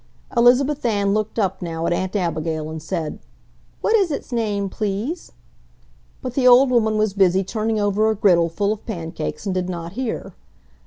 Elizabeth Ann looked up now at Aunt Abigail and said, "What is its name, please?" But the old woman was busy turning over a griddle full of pancakes and did not hear.